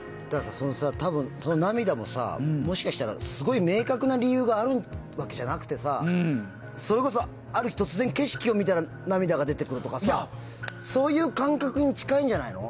多分、その涙もさもしかしたらすごい明確な理由があるわけじゃなくてさそれこそ、ある日突然景色を見たら涙が出てくるとかさそういう感覚に近いんじゃないの？